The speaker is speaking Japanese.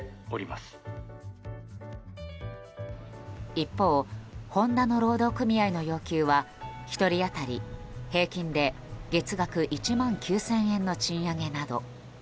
一方ホンダの労働組合の要求は１人当たり平均で月額１万９０００円の賃上げなど。